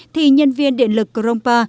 thì nhân viên điện lực krongpa